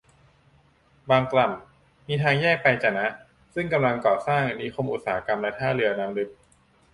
บางกล่ำ มีทางแยกไปจะนะ ซึ่งกำลังก่อสร้างนิคมอุตสาหกรรมและท่าเรือน้ำลึก